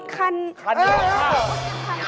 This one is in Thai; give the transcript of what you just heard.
คันหัวอะไร